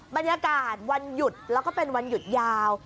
บรรยากาศวันหยุดแล้วก็เป็นวันหยุดยาว